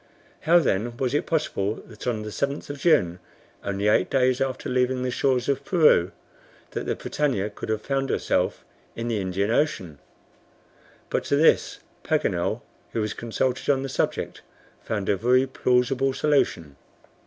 "How then was it possible that on the 7th of June, only eight days after leaving the shores of Peru, that the BRITANNIA could have found herself in the Indian Ocean?" But to this, Paganel, who was consulted on the subject, found a very plausible solution.